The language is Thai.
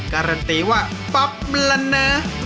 การันตีว่าปั๊บละนะ